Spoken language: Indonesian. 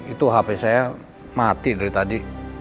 itu hp saya mati dari tadi